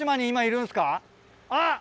あっ！